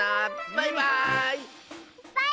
バイバーイ！